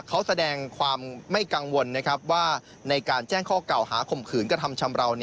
เขาแสดงความไม่กังวลนะครับว่าในการแจ้งข้อเกล่าหาคมขืนกฎธรรมชำราว